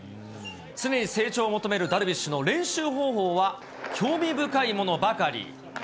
常に成長を求めるダルビッシュの練習方法は興味深いものばかり。